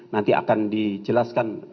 nanti akan dijelaskan